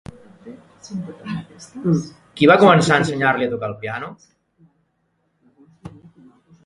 Qui va començar a ensenyar-li a tocar el piano?